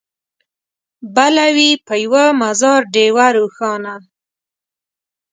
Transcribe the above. بله وي په یوه مزار ډېوه روښانه